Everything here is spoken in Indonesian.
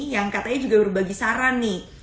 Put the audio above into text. yang katanya juga berbagi saran nih